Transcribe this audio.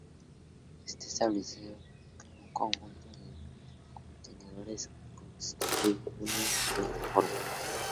Queda establecido que un conjunto de contenedores constituye una plataforma.